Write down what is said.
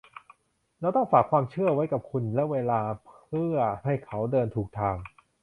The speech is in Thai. เราต้องฝากความเชื่อไว้กับคุณและเวลาเพื่อให้เขาเดินถูกทาง